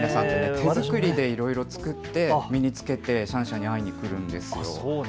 手作りでいろいろ作って身に着けてシャンシャンに会いに来るんですよ。